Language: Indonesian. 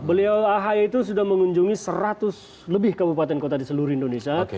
beliau ahy itu sudah mengunjungi seratus lebih kabupaten kota di seluruh indonesia